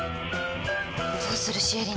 どうするシエリ。